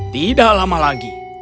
tidak lama lagi